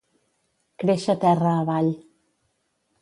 Créixer terra avall.